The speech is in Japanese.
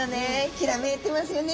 きらめいてますよね